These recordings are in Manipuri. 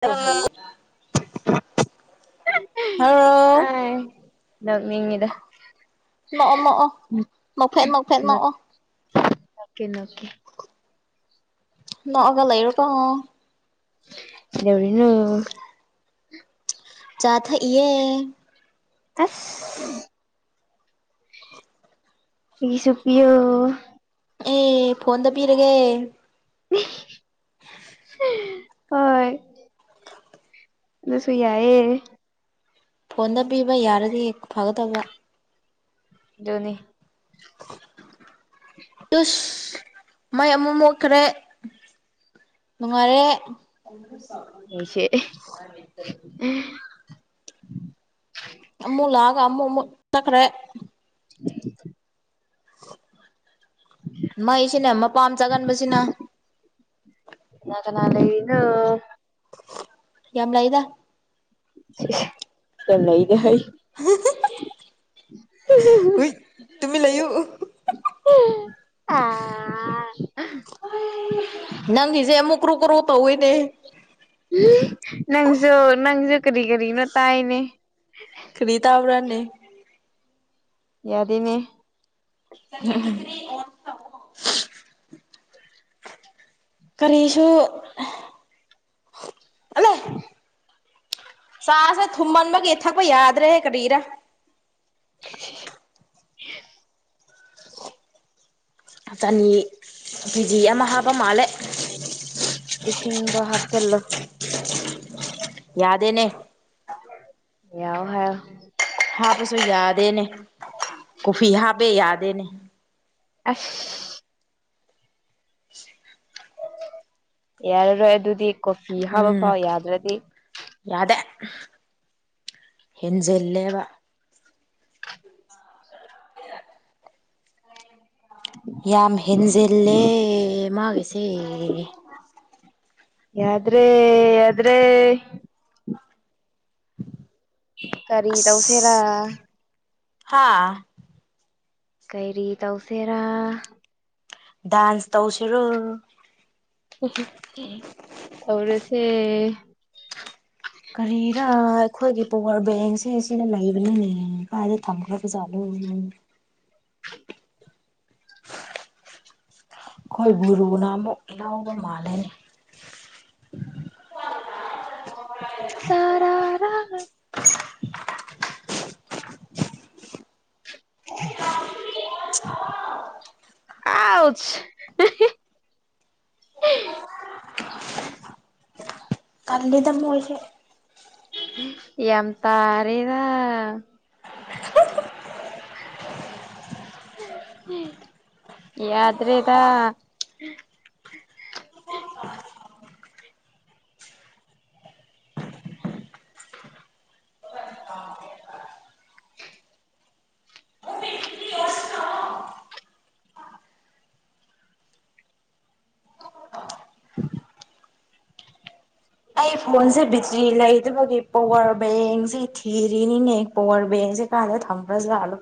ꯇꯧꯍꯜꯂꯣ ꯍꯥꯎ ꯅꯪ ꯃꯤꯉꯗ ꯅꯣ ꯅꯣꯛꯣ ꯅꯐꯦꯠ ꯅꯐꯦꯠ ꯅꯣꯛꯣ ꯑꯣꯀꯦ ꯅꯀꯦ ꯂꯒ ꯂꯩꯔꯀ ꯏꯗꯦꯕꯅ ꯆꯥꯊꯏꯦ ꯑꯦ ꯑꯩꯁꯨ ꯄꯌꯣ ꯑꯦ ꯐꯟ ꯇ ꯄꯔꯒꯦ ꯍꯣꯏ ꯑꯗꯁꯨꯨꯏꯌꯥꯑꯌꯦ ꯐꯣꯟꯗ ꯄꯤꯕ ꯌꯥꯔꯗꯤ ꯍꯦꯛ ꯐꯒꯗꯕ ꯣꯅꯤ ꯇꯨꯁ ꯃꯥꯏ ꯑꯃꯨꯛ ꯃꯣꯠꯈ꯭ꯔꯦ ꯅꯨꯡꯉꯥꯏꯔꯦ ꯁꯦ ꯑꯃ ꯂꯑꯒ ꯑꯃ ꯆ ꯀꯔ [inaudible] [inaudible] ꯃꯩꯁꯤꯅꯦ ꯃꯄꯥꯝ ꯆꯥꯒꯟꯕꯁꯤꯅ ꯑꯗꯨꯅꯥ ꯂꯩꯩꯅ ꯌꯥꯝꯂ ꯏꯗ ꯀ ꯂꯩꯗ ꯍꯥꯏꯣꯏ ꯍꯏ ꯇꯨꯃꯤ ꯂꯩꯌꯣ ꯎ ꯑ ꯅꯪꯖꯦꯃꯨꯛꯔꯨ ꯀꯔꯨ ꯇꯧꯏꯅꯦ ꯅꯪꯁꯨ ꯅꯪꯁꯨ ꯀꯔꯤ ꯀꯔꯤꯅꯣ ꯇꯥꯏꯅꯦ ꯀꯔꯤ ꯇꯕꯔꯅꯤ ꯌꯥꯗꯅꯦ [inaudible] ꯀꯔꯤꯁꯨꯨ ꯍꯜꯂꯣ ꯁꯥꯁ ꯊꯨꯝꯃꯟꯃꯒ ꯌꯦꯠ ꯊꯛꯄ ꯌꯥꯗ꯭ꯔꯦ ꯍꯦ ꯀꯔꯤꯔꯥ [inaudible] ꯆꯅꯤ ꯀꯦ ꯖꯤ ꯑꯃ ꯍꯥꯞꯄ ꯃꯥꯜꯂꯦ ꯏꯁꯤꯡꯗꯣ ꯍꯥꯞꯆꯜꯂꯣ ꯌꯥꯗꯦꯅꯦ ꯌꯥꯎ ꯍꯥꯏ ꯍꯥꯕꯁꯨ ꯌꯥꯗꯅꯦ ꯀꯨꯐꯤ ꯍꯥꯕꯦ ꯌꯥꯗꯅꯦ ꯑꯁ ꯌꯥꯔꯔꯣꯏ ꯑꯗꯨꯗꯤ ꯀꯣꯐꯤ ꯍꯥꯞꯕ ꯎꯝ ꯐꯥꯎ ꯌꯥꯗ꯭ꯔꯗꯤ ꯌꯥꯗꯦ ꯍꯟꯖꯦꯂꯦꯕ [inaudible] ꯌꯥꯝ ꯌꯥꯝ ꯍꯟꯖꯂꯦ ꯃꯥꯒꯤꯁꯤ ꯌꯥꯗ꯭ꯔꯦ ꯌꯥꯗ꯭ꯔꯦ ꯑꯁ ꯀꯔꯤꯗꯧꯁꯦꯔꯥ ꯍꯥꯥ ꯀꯩꯔꯤ ꯇꯧꯁꯦꯔꯥ ꯗꯥꯁ ꯇꯧꯁꯤ ꯔꯣ ꯑꯣꯁꯦ ꯀꯔꯤꯔꯥ ꯑꯩꯈꯣꯏꯒꯤ ꯄꯋꯥꯔ ꯕꯦꯡꯁꯦ ꯁꯤꯅ ꯂꯩꯕꯅꯅꯦ ꯀꯥꯏꯗ ꯊꯝꯈ꯭ꯔꯕꯖꯥꯠꯂꯣ ꯎꯝ [unintelligible] ꯑꯩꯈꯣꯏ ꯒꯨꯔꯨꯅ ꯑꯃꯨꯛ ꯏꯅꯥꯎꯕ ꯃꯥꯜꯂꯦꯅꯤ ꯍ ꯇꯔꯥꯔꯥ [unintelligible] [unintelligible] ꯑꯥꯎꯖ ꯎꯝ ꯑꯜꯂꯤꯗ ꯃꯣꯏꯁꯦ ꯌꯥꯝ ꯇꯥꯔꯦꯗ [unintelligible] ꯌꯥꯗ꯭ꯔꯦꯗ [unintelligible] [unintelligible] ꯑꯩ ꯐꯣꯟꯁꯦ ꯕꯦꯇ꯭ꯔꯤ ꯂꯩꯗꯕꯒꯤ ꯄꯋꯥꯔ ꯕꯦꯡꯁꯦ ꯊꯤꯔꯤꯅꯤꯅꯦ ꯄꯋꯥꯔ ꯕꯦꯡꯁꯦ ꯀꯗ ꯊꯝꯕꯂꯣ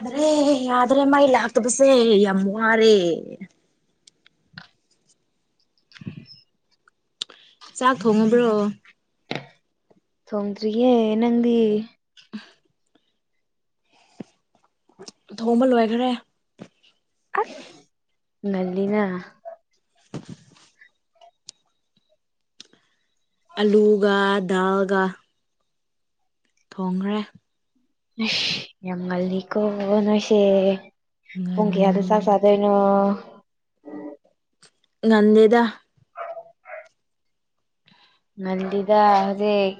ꯌꯥꯗ꯭ꯔꯦ ꯌꯥꯗ꯭ꯔꯦ ꯃꯥꯏ ꯂꯥꯛꯇꯕꯁꯦ ꯌꯥꯝ ꯋꯥꯔꯦ ꯆꯥꯛ ꯊꯣꯡꯉꯕ꯭ꯔꯣ ꯇꯣꯡꯣꯡꯗꯔꯤꯌꯦ ꯅꯪꯗꯤ ꯑ ꯊꯣꯡ ꯑꯃ ꯂꯣꯏꯈ꯭ꯔꯦ ꯑꯁ ꯉꯜꯂꯤꯅ [unintelligible] ꯑꯂꯨꯒ ꯗꯜꯒ ꯊꯣꯡꯈ꯭ꯔꯦ ꯑ ꯌꯥꯝ ꯃꯜꯜꯂꯤꯀꯣ ꯅꯁꯦ ꯉꯟ ꯑꯣꯀꯦ ꯑ ꯁꯥ ꯁꯥꯗꯅꯣ ꯉꯗꯦꯗ ꯉꯟꯗꯤꯗ ꯍꯧꯖꯤꯛ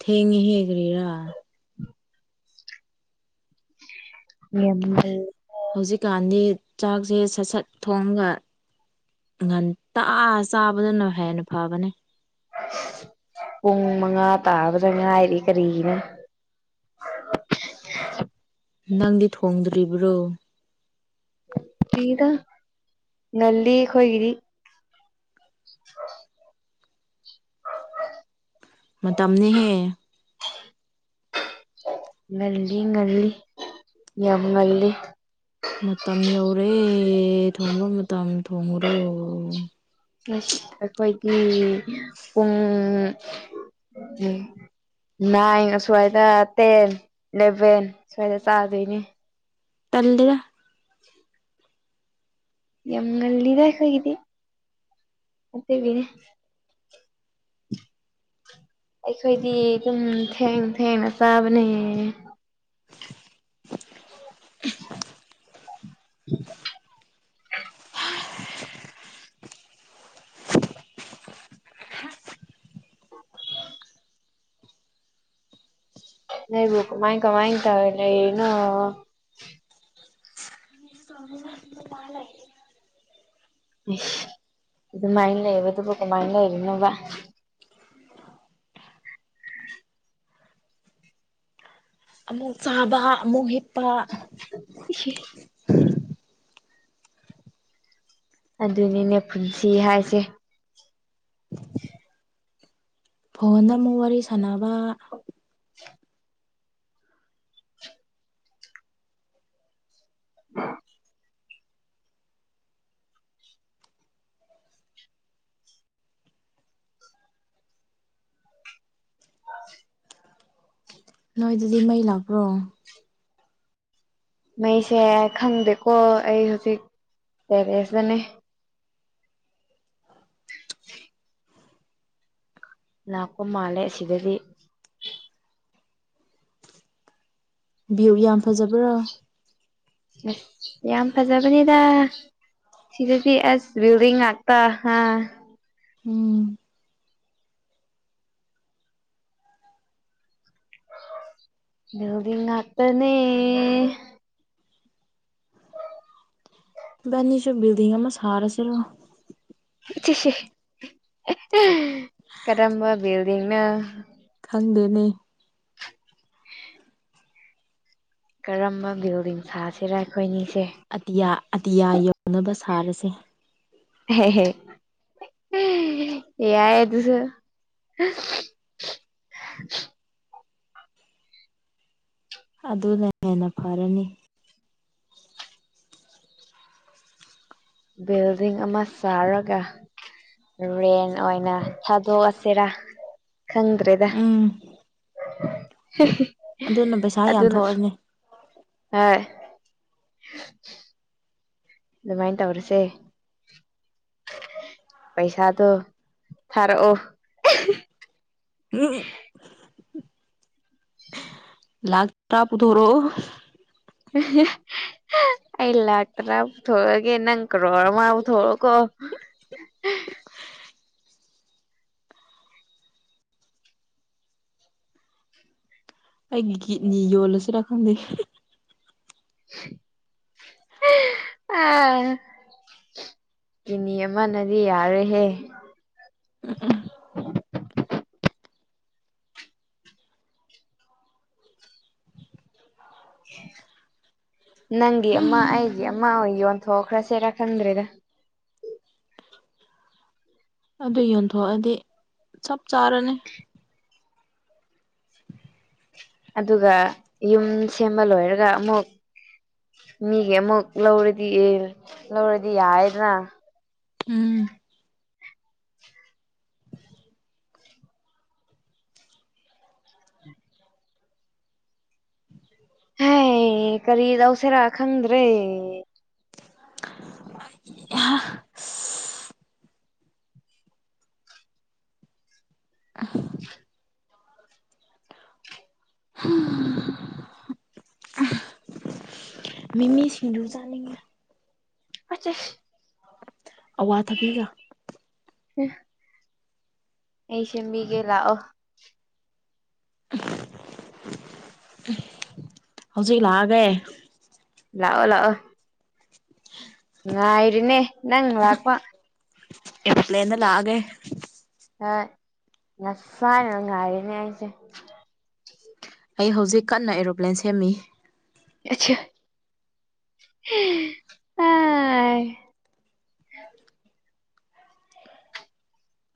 ꯊꯦꯡꯉꯤꯍꯦ ꯒꯔꯤꯔꯥ ꯌꯦꯗ ꯍꯧꯖꯤꯛꯀꯥꯟꯗꯤ ꯆꯥꯛꯁꯦ ꯁꯠ ꯁꯠ ꯊꯣꯡꯒ ꯉꯟꯇ ꯆꯥꯕꯗꯨꯅ ꯍꯦꯟꯅ ꯐꯕꯅꯦ ꯄꯨꯡ ꯃꯉꯥ ꯇꯥꯕꯗ ꯉꯥꯏꯔꯤ ꯀꯔꯤꯒꯤꯅꯤ [unintelligible] ꯅꯪꯗꯤ ꯊꯣꯡꯗ꯭ꯔꯤꯕ꯭ꯔꯣ ꯀꯗ ꯅꯜꯂꯤꯈꯣꯏꯒꯔꯤ ꯃꯇꯝꯅꯤꯍꯦ ꯉꯜꯂꯤ ꯉꯜꯂꯤ ꯌꯥꯝ ꯉꯜꯂꯤ ꯃꯇꯝ ꯌꯧꯔꯦ ꯊꯣꯡꯕ ꯃꯇꯝ ꯊꯣꯡꯉꯨꯔꯣ ꯑꯁ ꯑꯩꯈꯣꯏꯒꯤ ꯄꯨꯡ ꯎꯝ ꯅꯥꯏꯟ ꯑꯁ꯭ꯋꯥꯏꯗ ꯇꯦꯟ ꯏꯂꯦꯚꯦꯟ ꯁꯁ꯭ꯋꯥꯏꯗ ꯆꯥꯗꯣꯏꯅꯦ ꯇꯜꯗ ꯌꯥꯝ ꯉꯜꯂꯤꯗ ꯑꯩꯈꯣꯏꯒꯤꯗꯤ ꯑꯇꯩꯕꯤꯅꯦ ꯑꯩꯈꯣꯏꯗꯤ ꯑꯗꯨꯝ ꯊꯦꯡ ꯊꯦꯡꯅ ꯆꯥꯕꯅꯦ [unintelligible] ꯅꯕꯨ ꯀꯃꯥꯏ ꯀꯃ ꯇꯅ ꯁ ꯂꯅ [unintelligible] ꯏꯁ ꯑꯗꯨꯃꯥꯏꯅ ꯂꯩꯌꯦꯕ ꯑꯗꯨꯕꯨ ꯀꯃꯥꯏꯅ ꯂꯩꯔꯤꯅꯣꯕ ꯑꯃꯨꯛ ꯆꯥꯕ ꯑꯃꯨꯛ ꯍꯤꯞ [unintelligible] ꯑꯗꯨꯅꯤꯅꯦ ꯄꯨꯟꯁꯤ ꯍꯥꯏꯁꯦ ꯐꯣꯟꯗ ꯑꯃꯨꯛ ꯋꯥꯔꯤ ꯁꯥꯟꯅꯕ [unintelligible] [unintelligible] [unintelligible] [unintelligible] ꯅꯣꯏꯗꯗꯤ ꯃꯩ ꯂꯥꯛꯄ꯭ꯔꯣ ꯃꯩꯁꯦ ꯈꯪꯗꯦꯀꯣ ꯑꯩ ꯍꯧꯖꯤꯛ ꯇꯦꯔꯦꯁꯇꯅꯦ [unintelligible] [unintelligible] ꯂꯥꯛꯄ ꯃꯥꯜꯂꯦ ꯑꯁꯤꯗꯗꯤ ꯚ꯭ꯌꯨ ꯌꯥꯝ ꯐꯖꯕ꯭ꯔꯣ ꯑꯁ ꯌꯥꯝ ꯐꯖꯕꯅꯤꯗ ꯁꯤꯗꯗꯤ ꯑꯁ ꯕꯤꯜꯗꯤꯡ ꯉꯥꯛꯇꯥ ꯍꯥ ꯎꯝ ꯕꯤꯜꯗꯤꯡ ꯉꯥꯛꯇꯅꯦ ꯏꯕꯅꯤꯁꯨ ꯕꯤꯜꯗꯤꯡ ꯑꯃ ꯁꯥꯔꯁꯤꯔꯣ ꯀꯔꯝꯕ ꯕꯤꯜꯗꯤꯡꯅꯣ ꯈꯪꯗꯦꯅꯦ ꯀꯔꯝꯕ ꯕꯤꯜꯗꯥꯡ ꯁꯥꯁꯤꯔ ꯑꯈꯣꯏꯅꯤ ꯑꯇꯤꯌꯥ ꯑꯇꯤꯌꯥ ꯌꯧꯅꯕ ꯁꯥꯔꯁꯦ ꯍꯦ ꯍꯦ ꯌꯥꯏ ꯑꯗꯨꯁꯨ [unintelligible] [unintelligible] ꯑꯗꯨꯅ ꯍꯦꯟꯅ ꯐꯔꯅꯤ ꯕꯤꯜꯗꯤꯡ ꯑꯃ ꯁꯥꯔꯒ ꯔꯦꯟ ꯑꯣꯏꯅ ꯊꯥꯗꯣꯛꯑꯁꯤꯔꯥ ꯈꯪꯗ꯭ꯔꯦꯗ ꯎꯝ ꯑꯗꯨꯅ ꯄꯩꯁꯥ ꯌꯥꯝ ꯑꯗꯨꯅ ꯊꯣꯛꯑꯅꯤ ꯑꯗꯨꯃꯥꯏꯅ ꯇꯧꯔꯁꯦ ꯄꯩꯁꯥꯗꯣ ꯊꯥꯔꯛꯑꯣ [unintelligible] [unintelligible] ꯂꯥꯛ ꯇ꯭ꯔꯥ ꯄꯨꯊꯣꯔꯛꯑꯣ ꯑꯩ ꯂꯥꯛ ꯇꯔꯥ ꯄꯨꯊꯣ ꯑꯒꯦ ꯅꯪ ꯀ꯭ꯔꯣꯔ ꯑꯃ ꯄꯨꯊꯣꯛꯑꯣ ꯀꯣ [unintelligible] [unintelligible] ꯑꯩꯒꯤ ꯀꯤꯠꯅꯤ ꯌꯣꯜꯂꯁꯤꯔ ꯈꯪꯗ ꯑꯥ ꯀꯤꯠꯅꯤ ꯑꯃꯅꯗꯤ ꯌꯥꯔꯣꯏ ꯍꯦ [unintelligible] [unintelligible] [unintelligible] [unintelligible] ꯅꯪꯒꯤ ꯑꯃ ꯑꯩꯒꯤ ꯑꯃ ꯑꯣꯏ ꯌꯣꯟꯊꯣꯛꯈ꯭ꯔꯁꯤꯔꯥ ꯈꯪꯗ꯭ꯔꯦꯗ ꯑꯗꯨ ꯌꯣꯟꯊꯣꯛꯑꯗꯤ ꯆꯞ ꯆꯥꯔꯅꯤ ꯑꯗꯨꯒ ꯌꯨꯝ ꯁꯦꯝꯕ ꯂꯣꯏꯔꯒ ꯑꯃꯨꯛ ꯃꯤꯒꯤ ꯑꯃꯨꯛ ꯂꯧꯔꯗꯤ ꯂꯧꯔꯗꯤ ꯌꯥꯌꯦꯗꯅ ꯎꯝ ꯍꯩ ꯀꯔꯤꯗꯧꯁꯤꯔ ꯈꯪꯗ꯭ꯔꯦ ꯃꯤꯃꯤ ꯁꯤꯡꯖꯨ ꯆꯥꯅꯤꯡꯉꯤ ꯑꯆꯦ [unintelligible] ꯑꯋꯥ ꯊꯕꯤꯒ [unintelligible] [unintelligible] ꯑꯩꯁꯦꯝꯕꯤꯒꯦ ꯂꯥꯛꯑꯣ ꯍꯧꯖꯤꯛ ꯂꯥꯛꯑꯒꯦ ꯂꯥꯛꯑꯣ ꯂꯥꯛꯑꯣ ꯉꯥꯏꯔꯤꯅꯦ ꯅꯪ ꯂꯥꯛꯄ ꯑꯦꯞꯂꯅ ꯂꯥꯒꯦ ꯑ ꯅꯁꯥꯅ ꯉꯥꯏꯔꯅꯦ ꯑꯏꯁꯦ ꯑꯩ ꯍꯧꯖꯤꯛ ꯀꯟꯅ ꯑꯦꯔꯣꯄ꯭ꯂꯦꯟ ꯁꯦꯝꯃꯤ [unintelligible] [inaudible]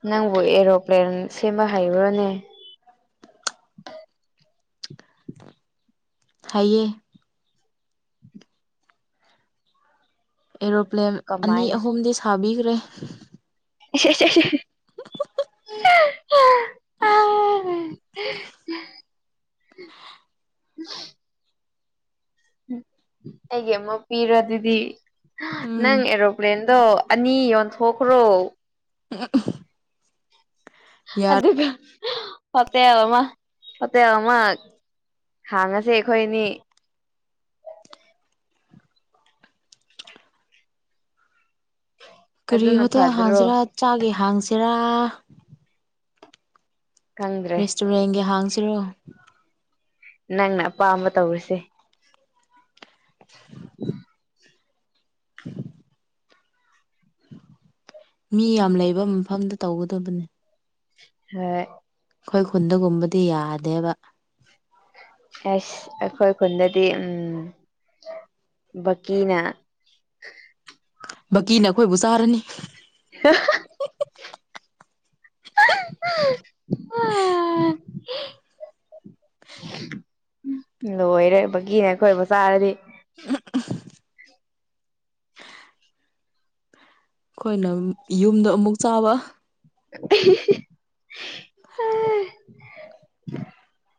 ꯅꯪꯕꯨ ꯑꯦꯔꯣꯄ꯭ꯂꯦꯟ ꯁꯦꯝꯕ ꯍꯩꯕꯔꯣꯅꯦ ꯍꯩꯌꯦ ꯑꯦꯔꯣꯄ꯭ꯂꯦꯟ ꯑꯅꯤ ꯀꯃꯥꯏꯅ ꯑꯍꯨꯝꯗꯤ ꯁꯥꯕꯤꯈ꯭ꯔꯦ [unintelligible] [unintelligible] ꯎꯝ ꯑꯩꯒꯤ ꯑꯃꯨꯛ ꯄꯤꯔꯣ ꯑꯗꯨꯗꯤ ꯎꯝ ꯅꯪ ꯑꯦꯔꯣꯄ꯭ꯂꯦꯟ ꯑꯗꯣ ꯑꯅꯤ ꯌꯣꯟꯊꯣꯛꯈ꯭ꯔꯣ ꯎ ꯑꯗꯨ ꯐꯠꯇꯦꯕ ꯑꯃ ꯐꯠꯇꯦꯕꯃ ꯍꯥꯡꯉꯁꯦ ꯑꯩꯈꯣꯏꯅꯤ ꯀꯔꯤ ꯑꯗꯨꯅ ꯍꯣꯇꯦꯜ ꯐꯗ꯭ꯔꯣ ꯍꯥꯡꯁꯤꯔꯥ ꯆꯥꯒꯦ ꯍꯥꯡꯁꯤꯔꯥ ꯈꯪꯗ꯭ꯔꯦ ꯔꯦꯁꯇꯨꯔꯦꯟꯒꯤ ꯍꯥꯡꯁꯤꯔꯣ ꯅꯪꯅ ꯑꯄꯥꯝꯕ ꯇꯧꯔꯤꯨꯁꯦ [unintelligible] [unintelligible] ꯃꯤ ꯌꯥꯝ ꯂꯩꯕ ꯃꯐꯝꯗ ꯇꯧꯒꯗꯕꯅꯦ ꯑ ꯑꯩꯈꯣꯏ ꯈꯨꯟꯗꯒꯨꯝꯕꯗꯤ ꯌꯥꯗꯦꯕ ꯑꯁ ꯑꯩꯈꯣꯏ ꯈꯨꯟꯗꯗꯤ ꯎꯝ ꯀꯤꯅ ꯕꯀꯤꯅ ꯑꯩꯈꯣꯏꯕꯨ ꯆꯥꯔꯅꯤ ꯑ ꯎ [unintelligible] ꯎ ꯂꯣꯏꯔꯦꯕꯒꯤꯅꯦ ꯑꯩꯈꯣꯏ ꯃꯆꯥꯥꯔꯗꯤ ꯑꯩꯈꯣꯏꯅ ꯌꯨꯝꯗꯣ ꯑꯃꯨꯛ ꯆꯥꯕ ꯑ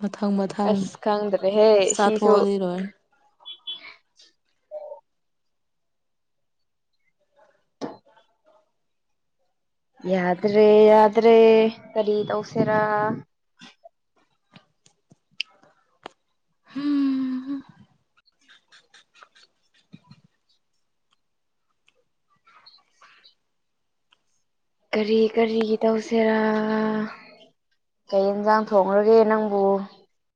ꯃꯊꯪ ꯃꯊꯪ ꯑꯁ ꯈꯪꯗ꯭ꯔꯦ ꯍꯦ ꯁꯤꯁꯨ ꯆꯥꯊꯣꯛꯑꯗꯤ ꯂꯣꯏꯔꯦ ꯌꯥꯗ꯭ꯔꯦ ꯌꯥꯗ꯭ꯔꯦ ꯀꯔꯤ ꯇꯧꯁꯤꯦꯔꯥ ꯎꯝ ꯀꯔꯤ ꯀꯔꯤꯒꯤ ꯇꯧꯁꯤꯦꯔꯥ ꯀꯩ ꯏꯟꯁꯥꯡ ꯊꯣꯡꯡꯂꯒꯦ ꯅꯪꯕꯨ